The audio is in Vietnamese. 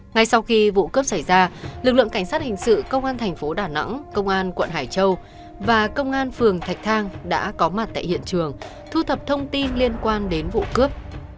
ngay sau khi vụ cướp xảy ra lực lượng cảnh sát hình sự công an thành phố đà nẵng công an quận hải châu và công an phường thạch thang đã có mặt tại hiện trường thu thập thông tin liên quan đến vụ cướp